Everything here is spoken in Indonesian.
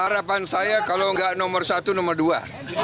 harapan saya kalau nggak nomor satu nomor dua